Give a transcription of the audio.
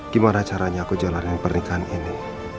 gimana caranya aku jalanin pernikahan ini